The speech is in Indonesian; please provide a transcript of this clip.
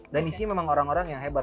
dan isinya memang orang orang yang hebat